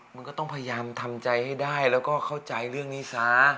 มันก็ต้องพยายามทำใจให้ได้แล้วก็เข้าใจเรื่องนี้ซะ